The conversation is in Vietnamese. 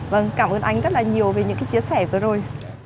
vâng cảm ơn anh rất là nhiều về những cái chia sẻ vừa rồi